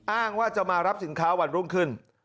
อ้างว่าจะมารับสินค้าวันรุ่งขึ้น